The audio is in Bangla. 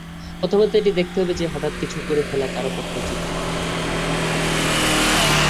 প্রথমত এটি দেখতে হবে যে, হঠাৎ কিছু করে ফেলা কারও পক্ষে উচিত নয়।